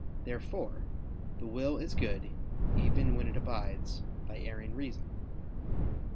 Therefore the will is good, even when it abides by erring reason.